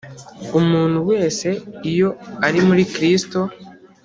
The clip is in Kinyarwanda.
Umuntu wese iyo ari muri Kristo,